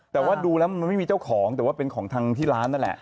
แต่ว่าดูแล้วมันไม่มีเจ้าของแต่ว่าเป็นของทางที่ร้านนั่นแหละ